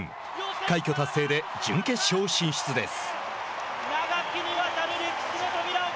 快挙達成で準決勝進出です。